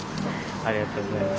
ありがとうございます。